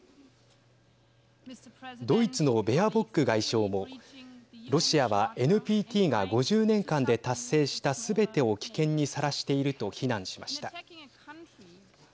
ドイツのベアボック外相もロシアはＮＰＴが５０年間で達成したすべてを危険にさらしていると非難しました。